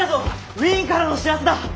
ウィーンからの知らせだ！